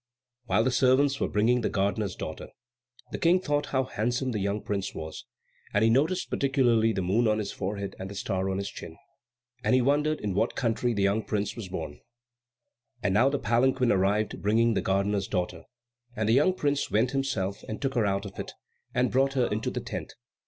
While the servants were bringing the gardener's daughter, the King thought how handsome the young prince was; and he noticed particularly the moon on his forehead and the star on his chin, and he wondered in what country the young prince was born. And now the palanquin arrived bringing the gardener's daughter, and the young prince went himself and took her out of it, and brought her into the tent.